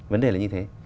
vấn đề là như thế